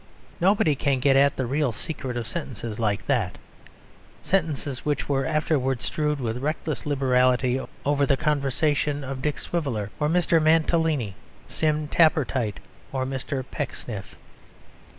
Nobody can get at the real secret of sentences like that; sentences which were afterwards strewed with reckless liberality over the conversation of Dick Swiveller or Mr. Mantalini, Sim Tappertit or Mr. Pecksniff.